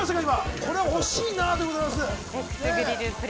これ欲しいなということです。